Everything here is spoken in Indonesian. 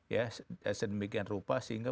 ya sedemikian rupa sehingga